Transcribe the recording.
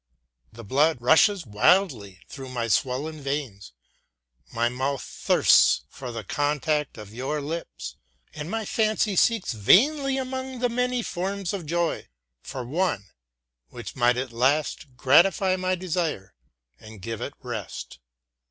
The blood rushes wildly through my swollen veins, my mouth thirsts for the contact of your lips, and my fancy seeks vainly among the many forms of joy for one which might at last gratify my desire and give it rest.